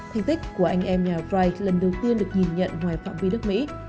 thành tích của anh em nhà white lần đầu tiên được nhìn nhận ngoài phạm vi đất nước